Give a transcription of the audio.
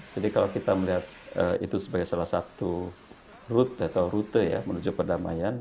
jadi kalau kita melihat itu sebagai salah satu rute atau rute menuju perdamaian